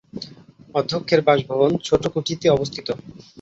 অধ্যক্ষের বাসভবন ছোট-কুঠিতে অবস্থিত।